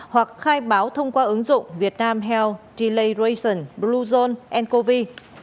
hoặc khai báo thông qua ứng dụng vietnam health delay ration blue zone and covid